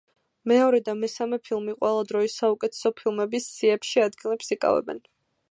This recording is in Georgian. მეორე და მესამე ფილმი ყველა დროის საუკეთესო ფილმების სიებში ადგილებს იკავებენ.